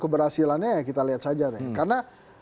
keberhasilannya kita lihat saja karena